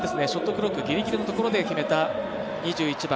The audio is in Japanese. クロックぎりぎりのところで決めた２１番。